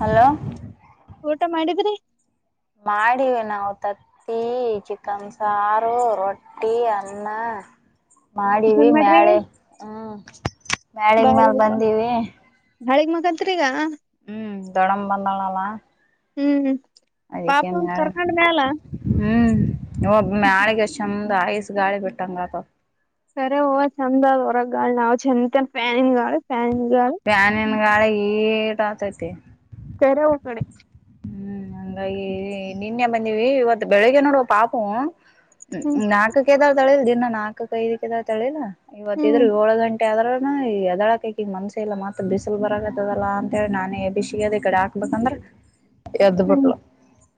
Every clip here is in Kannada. ಹಲೋ. ಊಟ ಮಾಡಿದ್ರಿ. ಮಾಡಿವವಿ ನಾವು ತತ್ತಿ ಚಿಕನ್ ಸಾರು ರೊಟ್ಟಿ ಅನ್ನ. ಮಾಡಿವ ಏನ್ ಮಾಡ್ರಿ ಮ್ಯಾಳೆ ಹ್ಮ್ ಮಳಗ ಮ್ಯಾಲ ಬಂದೀವಿ. ಮ್ಯಾಳಿಗಿ ಮಖತ್ರಿ ಈಗ. ಹ್ಮ್ ದೊಡಮ್ಮ ಬಂದಲ್ಲಲ್ಲಾ. ಹ್ಮ್.. ಪಪ್ಪುನ ಕರ್ಕಾಂಡ್ ಮೇಲೆ. ಹ್ಮ. ಮ್ಯಳೆಗಷ್. ಆಐಸ್ ಗಾಳಿ ಬಿಟ್ಟಂಗ ಅತ. ಕರೆವ ಚಂದ ದ್ ವರಗ ಗಾಳಿ ನ ಅವ ಪೆನ ಗಾಳ ಪೆ. ಪ್ಯಾನಿನ ಗಾಳಿಗೆ. ಹಿತ. ಕರ ಉ ಕಡೆ. ಹಂಗಾಗಿ ನಿನೆ ಬಂದಿವವಿ ಇವತ್ ಬೆಳಿಗ್ಗೆ ನೋಡುವ ಪಾಪು. ಹ್ಮ್ ಹ್ಮ ನಾಕಕೆ [inaudible] ತೊಳ ಇಲ್ದಿಿನ. ನಾಕು ಕೈದಕ ಎಡೆಲುತಾಳೆಲ್ಲ. ಇವತ್ತ ಹ್ಮ್ ಇದ್ರು ಹೇಳು ಗಂಟೆ. ಆದದ್ರನು ಈ ಎದಾಳಕಕ್ ಈಗ ಮನ್ಸ ಇಲ್ಲ ಮತ್ ಬಿಸಿಲು ಬರತ್ತದಲ್ಲಾ ಅಂತ ಹೇಳಿ ನಾನೇ ಬಿಸಿಿಗೆದ ಕಡೆ ಹಾಕ್ಬೇಕಂದ್ರ. ಎದು ಹ್ಮ್ ಪಟ್ಟ.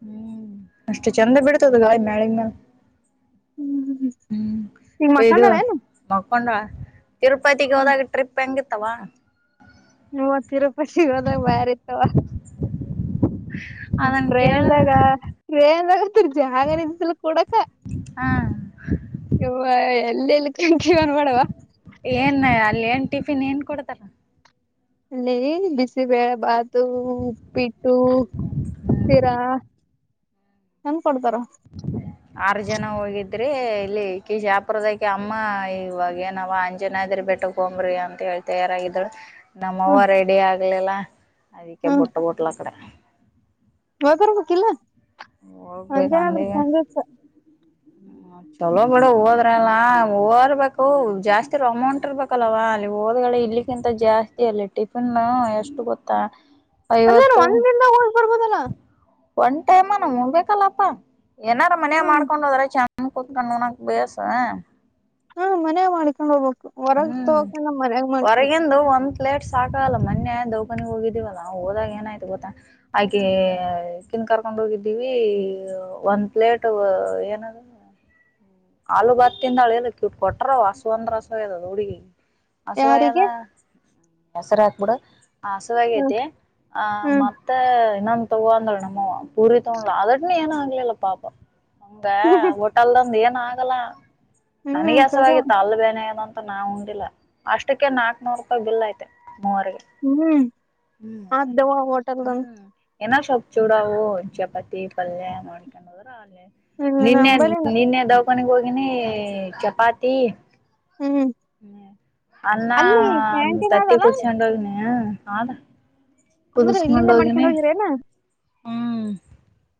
ಹ್ಮ್ ಅಷ್ಟೆ ಚಂದ ಬಿಡ್ತದ ಗಾಳಿ ಮ್ಯಾಳಗಿಂದ. ಹ್ಮ್ ಹ್ಮ್ ಈಗ ಇ ಇದು ಮಕ್ಕಂಡಳೇನು ನ. ಕೊೊಂಡ. ತಿರುಪತಿಗೆ ಹ್ಮ್ ಹೋದಾಗ ಟ್ರಿಪ್ ಹಂಗ. ತ್ತವಾಣ. ಹತ್ತರ ಪಶಿ ಒದಾಗ ಬಾರ ಇತ. ಅದನ್ ಕೇಳ ಪ್ರೇಂದಾಗ ಪ್ರೇ. ಜಾಗನಲ ಕೊಡಕ. ಹ್ಮ. ಇ ಎಲ್ಲಲ್ಲಿ. ವನ್ ಮಾಡುವ. ಏನ್ ಅಲ್ಲಿ ಏನ್ ಟಿಫಿನ್ ಏನ್ ಕೊಡ್ತಾರಾ. ಅಲ್ಲಿ ಬಿಸಿಬೇಳೆ ಬಾತು ಉಪ್ಪಿಟ್ಟು ಶಿರ ಹೆನ್ ಕೊಡ್ತಾರ. ಆರ್ ಜನ ಹೋಗಿದ್ರಿ ಇಲ್ಲಿ ಕ ಜಾಪುರದಕ ಅಮ್ಮ ಇವಾಗ ಏನಾವ ಅಂಜ್ ಜನ ಇದ್ರಿ ಬೆಟ್ಟಕ್ ಹಂಬ್ರಿ ಅಂತ ಹೇಳಿ ತಯಾರಾಗಿದಳು ಹ್ಮ್ ನಮ್ಮವರ ಡ ಆ ಇಲ್ಲಲ್ಲಾ ಅದಕ್ಕೆ ಹ್ಮ್ ಬೊಟ್ಟ ಬೊಟ್ಟಲು ಅಕ್ಕಡೆ ವಕಿಲ ಅಂತ ಅವ್ರ ಸಂದ ಹ ಚಲೋ ಬೇಡ ಹೋದ್ರಲ್ಲ ಓರ್ಬೇಕು ಜಾಸ್ತಿ ಅಮೌಂಟ್ ಇರ್ಬೇಕಲ್ಲವಾ ಅಲ್ಲಿ ಹೋದ್ ಇಲಿಕ್ಕಿಂತ ಜಾಸ್ತಿ ಅಲ್ಲಿ ಟಿಫಿನ್ ಎಷ್ಟು ಗೊತ್ತ ಅದಾರ ಒಂದ್ ದನ್ದಾಗ ಹೋಗ ಬರ್ಬೋದಲ್ಲ ನಬೇಕೇಕಲ್ಲಾಪ್ಪ ಏನಾರ ಮನೆ ಹ್ಮ್ ಮಾಡ್ಕೊಂಡು ಹೋದ್ರೆ ಚಂ [unintelligible] ಹ್ಮ ಮನೆೇ ಮಾಡ್ಕೊಂಡ್ ಹೋಗಬೇಕು ಹೊರಗೆ ಹ್ಮ್ ತೋಕಲ್ಲ ಮನ್ಯಾಗ ಮಾಡಕೆಂದು ಹೊರಗಿಂದು ಒಂದ್ ಪ್ಲೇಟ್ ಸಾಕಲ್ಲ ಮೊೆ ದೌಪನ್ಗ್ ಹೋಗಿದ್ದೀವಲ್ಲ ನಾವು ಹೋದಾಗ ಏನಾಯ್ತು ಗೊತ್ತ ಆಕೆ ಕಿಂದ ಕರ್ಕೊಂಡ್ ಹೋಗಿದ್ದೀವಿ ಒಂದ್ ಪ್ಲೇಟ್ ಏನದ ಹಾಲು ಭಾತಿಂದ ಅಳದಕ್ಕೆು ಕೊಟ್ಟರ ಅಸು ಅಂದ್ರಸುದು ರೂಢಿ ಹಸುವಾಗ್ಯಾದ ಯಾರಿಗೆ ದಸರ ಹಾಕ್ಬಿಡ ಹ್ಮ್ ಹಸುವಾಗೇತಿ ಹ್ಮ್ ಮತ್ತ ಆ ನಮ್ದು ಅಂದ್ಲು ನಮ್ಮವ್ವ ಪೂರಿ ತಗೊಂಡು ಅದಿಟ್ ನೀ ಏನು ಅನ್ಲಿಲ್ಲ ಪಾಪ ಹಂಗ ಹೋಟೆಲ್ ದಂದ್ ಏನು ಅಗಲ ನನಗೆ ಹ್ಮ್ ಕರು ಹಸವಾಗಿತ ಅಲ್ಬ್ಯಾನಿ ಅಂತ ನಾ ಉಂಡಿಲ್ಲ ಅಷ್ಟಕ್ಕೆ ನಾಕ್ನೂರು ರೂಪಾಯಿ ಬಿಲ್ ಐತೆ ಮೂವರಿಗೆ ಹ್ಮ್ ಹ ದವ ಹೋಟಲ್ಂದು ಏನ ಸ್ವಾಪ್ ಚೂಡಾವು ಚಪಾತಿ ಪಲ್ಯ ಮಾಡ್ಕೊಂಡು ಹದ್ರ ಇಲ್ಲಿ ನಿನ್ನೆ ನಂಬಲಿನ ನಿನ್ನೆ ದ ಮನೆಗ್ ಹೋಗಿನಿ ಚಪಾತಿ ಹ್ಮ್ ಹ್ಮ ಅನ್ನ ಅಲ್ಲಿ ಕ್ಯಾಂಟೀನ್ ತತ್ತಿ ಅದಲ್ಲ ಕುೂಚ್ಕೊಂಡೋದ್ ಹ್ಮ ಹಳ ಅಂದ್ರೆ ಇಲ್ಲಿಂದ ಮಾಡ್ಕೊಂಡು ಹೋಗಿರೇನಾ ಹ್ಮ್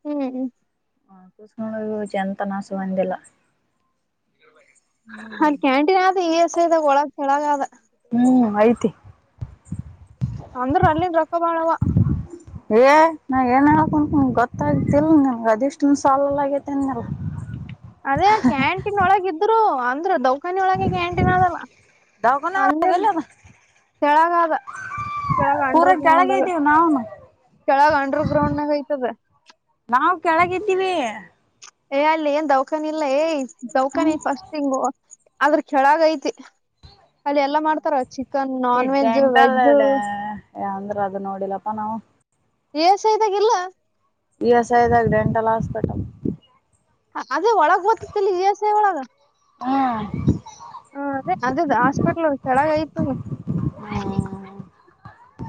ಹ್ಮ್ [unintelligible] ಹ್ಮ್ ಅದ ಕ್ಯಾಂಟೀನ್ ಆದ ಈ ಎಸ ಇದಾಗ ಒಳಗ ಕೆಳಗ ಅದ ಹ್ಮ್ ಐತಿ ಅಂದ್ರ ಅಲ್ಲಿನ್ ರೊಕ್ಕ ಬಾಳವ ಏ ನಾ ಏನ್ ಹಕಂತ ಗೊತ್ತಾಗತಿಲ್ ನನ್ಗ ಅದಿಷ್ಟನ್ ಸಾಲ ಆಗೇತಿ ಅಂದಿಲ್ಲ ಅದೇ ಕ್ಯಾಂಟೀನ್ ಒಳಗಿದ್ದು [unintelligible] ಅಂಧ್ರ ಕನೊಳಗೆ ಕ್ಯಾಂಟಿನ್ ಆದಲ್ಲ ದವಾಖಾನೆ ಒಳಗ್ ಅ ಎಲ್ಲಿ ಅದ ಕೆಳಗದ ಕೆಳಗ ಪೂರ ಅಂಡರ್ ಗ್ರೌಂಡ್ ಕೆಳಗೆ ಇದೀವಿ ನಾವುನು ಕೆಳಗ ಅಂಡರ್ ಗ್ರೌಂಡ್ನಾಗ ಐತದ ನಾವ್ ಕೆಳಗಿದ್ದೀವಿ ಏ ಅಲ್ಲಿ ಏನ್ ದೌವಖಾನ್ ಇಲ್ಲ ಏ ದೌಖಾನಿ ಫಸ್ಟ್ ತಿಂಗು ಅದ್ರ ಕೆಳಾಗ ಐತಿ ಅಲ್ಲಿ ಎಲ್ಲಾ ಮಾಡ್ತಾರ ಚಿಕನ್ ನಾನ್ ವೆಜ್ಜ್ ವೆಜ್ಜ್ ಯ ಅಂದ್ರ ಅದು ನೋಡಿಲಪ್ಪಾ ನಾವು ಇಎಸ್ಐ ದಾಗ್ ಇಲ್ಲ ಈ ಎ ಸಾಯದಾಗ ಡೆಂಟಲ್ ಹಾಸ್ಪಿಟಲ್ ಅದೇ ಒಳಗ್ ಗೊತ್ತತ್ತಲ್ಲಿ ಈಸ ಒಳಗ ಹ್ಮ ಹಾ ಅದೇ ಅದದು ಹಾಸ್ಪಿಟ್ಲ್ ಅವ ಕೆಳಗ ಆಯ್ತು ಹ್ಮ್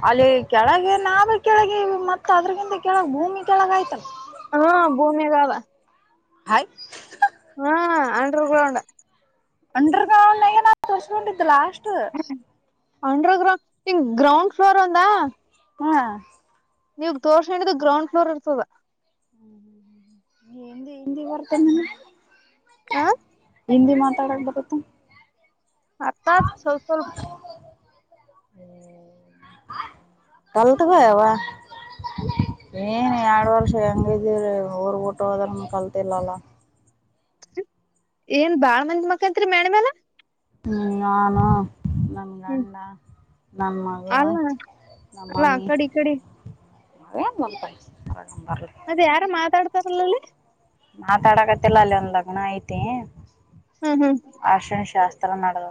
ಅಲ್ಲಿ ಕೆಳಗೆ ನಾವ ಕೆಳಗೆ ಮತ್ತ ಅದ್ರಗಿಂತ ಕೆಳಗ್ ಭೂಮಿ ಕೆಳಗ ಆಯ್ತಲ್ಲ ಹಾ ಭೂಮಿಯಗಾವ [unintelligible] ಹಾ ಅಂಡರುೂ ಗೌಂಡ ಅಂಡ್ರಗ ಗ್ರೌಂಡಾಗ ಏನ [unintelligible] ಅಷ್ಟ ತ್ತು ಅಂಡ್ರರ್ ಗ್ರೌಂಡ್ ನಿ ಗ್ರೌಂಡ್ ಫ್ಲೋರ್ ಒಂದಾ ಹ ನೀವ್ ದೋರ್ ಹಣಿದ ಗ್ರೌಂಡ್ ಫ್ಲೋರ್ ಇರ್ತದ [unintelligible] ಹ್ಮ್ ಹ್ ಹಿಂದಿ ಹಿಂದಿ ಬರ್ತೇನೆ [unintelligible] ಹ ಹಿಂದಿ ಮಾತಾಡಕ್ ಬರುತ್ತಾ ಅರ್ಥ ಆಗುತ್ತಾ ಸ್ವಲ್ಪ ಕಲ ತಗವಾ [unintelligible] ಏನ್ ಎರಡು ವರ್ಷ ಹೆಂಗ ಇ ಊಟೋ ಹೋದ್ರುನು ಕಲ್ತೆ ಇಲ್ಲಲ್ಲಾ ಏನ್ ಬಾಳ ಮಂದಿ ಮಾತಾಡ್ತೀರಾ ಮೇಡಮರ ಹ್ಮ್ ಆ ನಾ ನನ್ ಹ್ಮ್ ಗಂಡ ನಮ್ಮ ಮಗಳು ಅಲ್ಲ ಅಲ್ಲ ಆ ನಮ್ಮಮ್ಮಿ ಕಡಿ ಈ ಕಡಿ ಮಮ್ಮಪಾಯಿ [unintelligible] ಅದುವ ಯಾರ ಮಾತಾಡ್ತಾರಲ್ಲಲ್ಲಿ ಮಾತಾಡಕತ್ತಲ್ಲ ಅಲ್ಲಿ ಒಂದ್ ಲಗ್ನ ಐತಿ ಹ್ಮ್ ಹ್ಮ್ ಅಷನ ಶಾಸ್ತ್ರ ಎತ್ರ ನಗ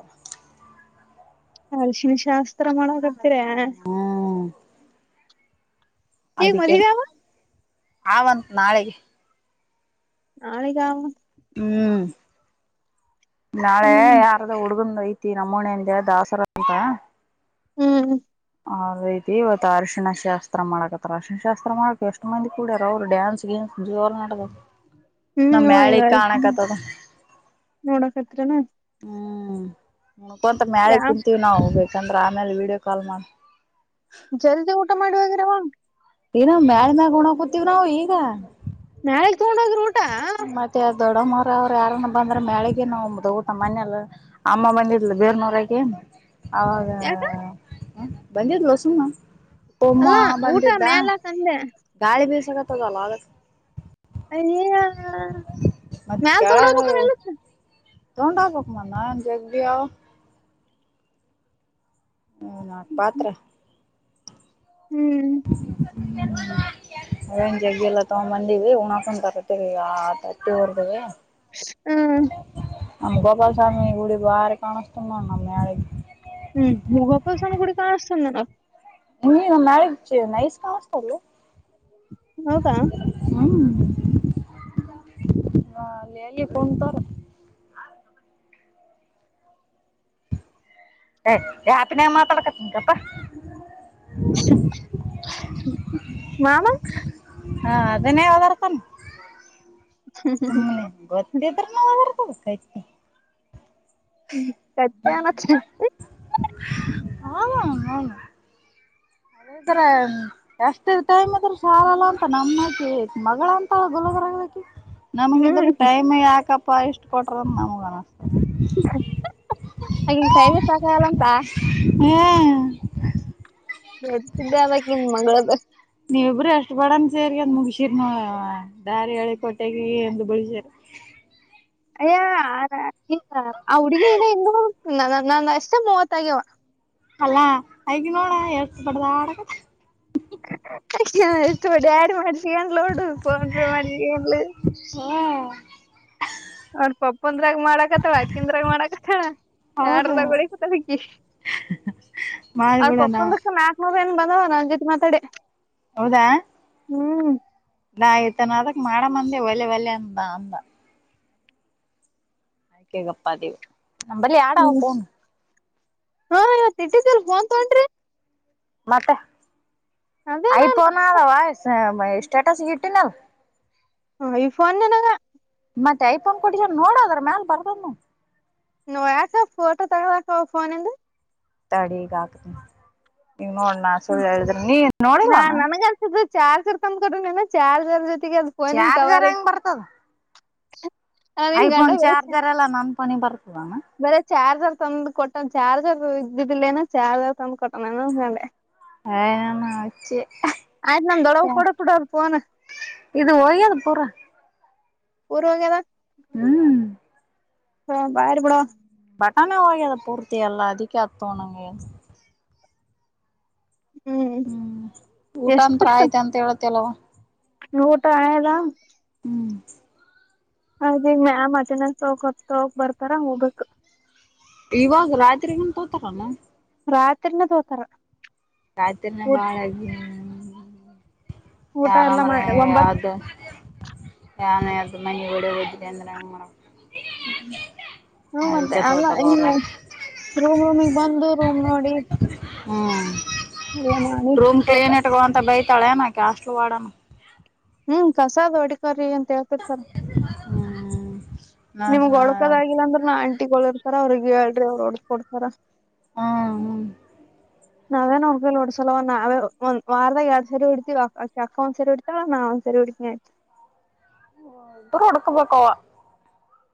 ಅರಿಶಿಣ ಶಾಸ್ತ್ರ ಮಾಡೋದ ಹರಯಾ ಹ್ಮ್ ಮದುವೆಯಾದ ಆ ವ ಅಂತ ನಾಳೆಗೆ ನಾಳೆಗೆ ಆವ ಹ್ಮ್ ನಾಳೆ ಹ್ಮ್ ಯಾರದ ಹುಡುಗದ ಐತೈ ತ್ತತಿ ನಮೋಣೆ ಅಂದ ದಾಸರ ಅಂತ ಹ್ಮ್ ಆ ರೈತಿ ಇವತ್ ಅರಶಿಣ ಶಾಸ್ತ್ರ ಮಾಡಕತ್ತ ಅರಶಿಣ ಶಾಸ್ತ್ರ ಮಾಡಕ ಎಷ್ಟು ಮಂದಿ ಕೂಡಾರ ಅವ್ರು ಡ್ಯಾನ್ಸ್ ಗಿನ್ಸ್ ಅವ್ರು ಜೋರ್ ಮಾಡ್ಯಾರ ಹ್ಮ್ ಈಗ [inaudible] ನೋಡಾಕತ್ತೀರಿ ಹ್ಮ್ ಹಕಂತ ಮಳೆ ಯಾ ಕುಂತೀವಿ ನಾವು ಹ್ಬೇಕು ಯಾಕಂದ್ರ ಆಮೇಲೆ ವೀಡಿಯೋ ಕಾಲ್ ಮಾಡ ಜಲ್ದಿ ಊಟ ಮಾಡವರವ ಏನ ಮ್ಯಾಳ ಮ್ಯಾಗ ಉಣ ಕೂತಿವ್ ನಾವು ಈಗ. ನಾಳೆ ತಗೊಂಡೋಗ್ರಿ ಊಟ ಮತ್ತೆ ಅ ದೊಡ್ಡ ಮ ಅವ್ರರು ಯಾರನ್ನ ಬಂದ್ರ ಮ್ಯಾಳಗ ನ್ದ ಊಟ ಮನೆಯಲ್ಲ ಅಮ್ಮ ಮನಿ ಇರ್ಲ ಬೇರ್ ನವಿರಾಗಿ ಹೌದಾ ಯಾಕ ಹ ಬಂದಿದ್ಲ ಸುಮ್ಮ ಒಮ್ಮ ಅಲ್ಲಾ ಊಟ ಬಂದಿದ್ದಾ, ಮ್ಯಾಲಕಂದೆ ಗಾಳಿ ಬಿಸಾಕ ತಗಲಾಗ ಅನಯ ಮತ್ ಮ್ಯಾಲ ತಗೊಂಡ್ ಕೆಳಗ ಹೋಗಬೇಕ್ಲಾ ಎಲ್ಲಾ ತಗೊಂಡ್ ಹೋಗಬೇಕು ಮತ್ತೆ ಜಗದಿಯಾವ ಹ್ಮ ನಾಕ ಪಾತ್ರೆ ಹ್ಮ್ ಹ್ಮನ್ ಜಗ್ಗೆ ಎಲ್ಲ ತಗ ಬಂದೀವಿ ಉಣಾಕಂತರಟ್ಟ ಈಗ ತಟ್ಟಿ ಹೊರ್ದವಿ ಹ್ಮ್ ನಮ್ಮ ಗೋಪಾಲ ಸ್ವಾಮಿಯ ಗುಡಿ ಭಾರಿ ಕಾಣಸ್ ನ ನ ಮ್ಯಾಳಗಿ ಕಾಣಸ ನಡ ನಿಗ ಮ್ಯಾಳಗಿ ನೈಸ್ ಕಾಣಿಸುತ್ತದೆ ಬಿಡು ಹೌದಾ ನ ಅಲ್ಲಿ ಎಲ್ಲಿ ಕುಂತಾರ ಯಾಪ ನನ್ ಮಾತಾಡಕತನಗಪ್ಪಾ ಮಾಮಾ ಹಾ ಅದನ್ನೇ ಒದರ್ತಾನ ಸುಮ್ಮನೆ ಗೊತ್ತಿದ್ರ ನ ಹೊ ಕೈತಿ ಹ್ಮ ಕತ್ಯಾನ ಹ ಹ ಅದ್ರ ಎಷ್ಟ ಟೈಮ್ ಅದ್ರ ಶಾಲಲ್ಲ ಅಂತ ನಮ್ಮಕಿ ಮಗಳ ಅಂತ ಗುಲಬರ್ಕಿ ಹ್ಮ್ ನಮಗಿದ್ರೆ ಟೈಮ್ ಯಾಕಪ್ಪ ತ ಇಷ್ಟು ಕೊಟ್ರ ನಮಗ ಅನ ಅ ಕೈವೆ ಸಾಕಾಗಲ್ಲಂಂತಾ ಹ್ಮ್ ದಸ್ದ ಆಕನ್ ಮಂಗಗಳ ನೀವ ಇಬರು ಎಷ್ಟ್ ಬಡನ್ ಸೇರಿ ಅಂದ ಮುಗಸಿರನು ದಾರಿ ಹೇಳಳಿ ಕೊಟೆಗೆ ಒಂದ ಬಿಳಸರ ಅಯ್ಯ ಈಗ ಆ ಹುಡುಗಿ ನ ಇ ನಾನ ನಾನ ಅಷ್ಟೇ ಮೂವತ್ತ ಆಗ್ಯವ ಅಲ್ಲಾ ಆಗ ನೋಡ ಎಳ್ಸಬಡ್ದ ಆಡಕ ತ ಆಡ್ ಮಾಡ್ [unintelligible] ಪಟ ಮಲ್ಲ ಅವ್ರ ಪಪ್ಪಂದ್ರಾಗ ಮಾಡಕತ್ತಾವ ಅಕ್ಕಂದ್ರಾಗ ಮಾಡಕತ್ತಳ ಹೌದು ಯಾರದಾಗ ಹೊಡಕತಕ್ಕಿ ಅವ್ರ ಮಾಡ್ಬಿಡ ನಾವ್ ಪಪ್ಪಂದ್ರೋ ಏನ್ ಬಂದಾವ ನ ಜತೆ ಮಾತಾಡೆ ಹೌದಾ ಹ್ಮ್ ನಾಾಯ್ತನ ಅದಕ್ ಮಾಡ ಮಂದಿ ಒಲೆ ಒಲೆ ಅಂದ ಅಂದ ಆಯ್ಕೆ ಗಪ್ಪ ದೀವು ನಂಬಲ್ಲಿ ಆಡಾವ ಹ್ಮ್ ಪನು ಹಾ ಇವತ್ ಇಟ್ಟ ದೇಲ್ ಫೋನ್ ತಗೊಂಡ್ರಿ ಮತ್ತೆ ಅದೇ ಐ ನಾನ್ ಫೋನ ಅದ ಅವಾ ಮ ಸ್ಟೇಟಸ್ ಗಿಟ್ಟಿನ ಹ ಐ ಫನ್ನ ಮತ್ತೆ ಐಫೋನ್ ಕೊಟ್ಟ ನೋಡೋದ್ರ ಮ್ಯಾಲ ಬರ್ದನ ನೋ ಯಾಕ ಫೋಟೋ ತಗಲಕ ಫೋನಿಂದ ತಡಿಗಕತ ಈಗ ನೋಡಣ ಸು ನೀ ನೋಡಿಲ್ವಾನ ಚಾರ್ ತರ್ಕಂದ್ ಕೊಡ್ರ ಚಾರ್ ಜೊ ಚಾರ್ಜರ್ ಹೆಂಗ್ ಬರ್ತದ ನನ್ ಗಂಡ ಐಫೋನ್ ಚಾರ್ಜರ್ ಎಲ್ಲ ನನ್ ಫೋನಿಂಗ್ ಬರ್ತದ ಬರ ಚಾರ್ಜರ್ ತಂದು ಕೊಟ್ಟ ಚಾರ್ಜರ್ ಇದ್ದಿದ್ದಿಲ್ಲೇನ ಚಾರ್ಜರ್ ತಂದು ಕೊಟ್ಟನ ಇನಂದ ಮೇಲೆ ನಾಚೇ ಆಯ್ತ್ ನಮ್ ದೊಡ್ಡವ [unintelligible] ಕೊಡ ಬಿಡೋರ್ ಫೋನ್ ಇದು ಓಯ್ಯಾದ ಪೂರ ಪರ್ವಾಗದ [unintelligible] ಹ್ಮ್ ಹ ಬರಿ [unintelligible] ಬಡಾವ್ವ ಬಟಾನೆ ಹೋಗ್ಯದ ಪೂರ್ತಿ ಎಲ್ಲ ಅದಕ್ಕೆ ಹತ್ತ ನಂಗೆ ಹ್ಮ್ ಊಟಂತ್ರ [unintelligible] ಆಯ್ತ ಅಂತ ಹೇಳತಿ ಅಲವ ಟ ಹ ರಾಮ [unintelligible] ಹ್ಮ್ ಹದಿ ಮ್ಯಾಮ್ ಅಟೆಂಡೆನ್ಸ್ ಸ ಹಕ ಹೊತ್ತ [unintelligible] ಹಕ್ ಬರ್ತಾರ ಹೋಗ್ಬೇಕಕ್ ಇವಾಗ ರಾತ್ರಿಗಂತ ತೋತಾರಾನ [unintelligible] ರಾತ್ರಿನ ತೋತಾರ ಕಾಯ್ತರಿನ ಊಟ ಬಾಳಗ [unintelligible] ಹ [unintelligible] ಊಟ ಎಲ್ಲಾ ಆರಾಮ್ರ ಮಾಡಿ [unintelligible] ಒಂಬತ್ ಯದು ಯಾವನ ಯಾವ್ದ [unintelligible] ಮನೆ ಗಡ ಹೋದ್ರಿ ಅಂದ್ರ ಹಂಗೆ ಮಾಡರಬೇಕ ಹ್ಮ ಮತ್ತೆ ಅದಕ್ಕೆ ಅಲ್ಲ ತೋತಾರ ಅವ್ರ ರೂಮ್ ರೂಮಿಗೆ ಬಂದು ರೂಮ್ ನೋಡಿ ಹ್ಞ ಎಲ್ಲ ಮಾಡಿ [unintelligible] ರೂಮ್ ಕ್ಲೀನ್ ಹೋತಾರ ಇಟ್ಗೋಂತ ಬೈಕ್ ತಳೆ [unintelligible] ಕ್ಯಾಸ್ಟ್ವಾಡ [unintelligible] ಹ್ಮ್ ಕಸದ ಹೊಡಿಕರಿ ಅಂತ್ [unintelligible] ಹೇಳ್ತಿರ್ತಾರಾ ಹ್ಮ ನಿಮ್ಗ್ ಒಳಕದ ಆಗಿಲ್ಲ ಅಂದ್ರೆ ನ ಆಂಟಿ ಕೊಳರ್ ರ ಅವ್ರಿಗೆ ಹೇಳ್ರಿ ಅವ್ರು [unintelligible] ಓಡಸ್ಕ ಕೊಡ್ತಾರ ಹಾ ಹ್ಮ ನಾವೇ ನಮಕಲ್ಲೋಡ ಸಲವಾ ನ ಅವೆ ಒಂದು ವಾರದ ಯಾವಾರಡು ಸರಿ [unintelligible] ಬಿಡ್ತೀ ಅಕ್ಕ ಒಂದ್ ಸರಿ ಉಡ್ತ ನಾ ಒಂದ ಸರಿ ಹೊಡಿತನಯ [unintelligible] ಹ್ಮ ಇರ ಒಡುಕ್ಕಬೇಕಕೋವಾ [unintelligible]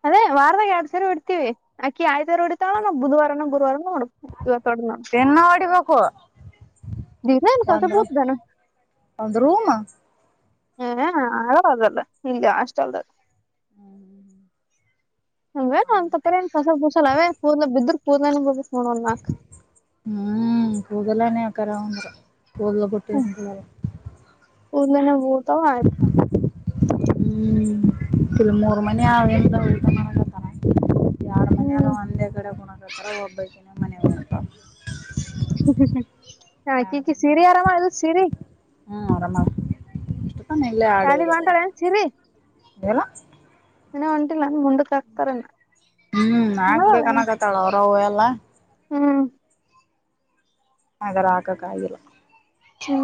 ಅದೇ ವಾರದಾಗ ಎರಡ್ ಸರ ಇಡ್ತಿವಿ ಅ ಆಕಿ [unintelligible] ಇಡತಾವಳ ನಾವು ಬುಧವಾರನ ಗುರುವಾರನ ನೋಡ್ ತ ಕೊಡ್ನಾ [unintelligible] ಹ [unintelligible] [unintelligible] ಎನಕತ ಭುತದಾನ ಒಂದ್ ರೂಮ್ [unintelligible] ಹ್ಮ್ ಹಂಗೇಡ ಅ ತಪ್ಪರ ಏನ್ ಫಸಲ್ [unintelligible] ಅವೇ ಪೂ ಬಿದ್ರ ಕೂದಾನ ಬದು [unintelligible] ಹ್ಮ್ ಕೂದಲನಕರಂದ [unintelligible] [unintelligible] [unintelligible] ಆಯ್ತ್ ಹ್ಮ್ ತ ಮೂರು ಮನೀ ಅವ ಊಟ ಮಾಡಕತನ ಯಾರ ಮನ ಹ್ಮ್ ಒಂದೇ ಕಡೆ ಕು ತ್ರ ಒಬ್ಬಕನ ಮನೆ ಪ [unintelligible] ಹ್ಮ ಹ್ಮ ಹಾ ಕಿಕಿ ಸೀರಿ ಆರಾಮ ಅಲಾ ಸೀರಿ ಹ್ಮ್ ಆರಾಮ ಆಳ ಸಾಲಿ ಹೊಂಟಾಳ ಏನ್ ಸಿರಿ ಏನು ಇನಾ ಹೊಂಟಿಲ್ಲ ನನ್ ಮುಂದಕ್ಕ ಹಕ್ತಾರಾನ ಹ್ಮ್ ಆಗ್ಬೇಕ ಅನಕತಾಳ ಅವ್ರ ಎಲ್ಲ [inaudible] ಹ್ಮ್ ಅಗರ ಆಕ ಕಾಯಲ್ಲ ಹ್ಮ್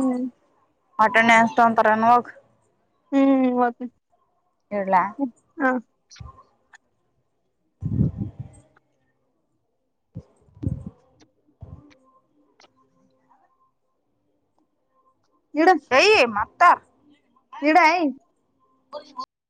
ಅಟೆಂಡೆನ್ಸ್ ತಗಂತಾರ ಏನ್ ಹೋಗು ಹ್ಮ್ ಇಡ್ಲಾ ಹಾ [inaudible] ತ ಇಡಾಯಿ [inaudible]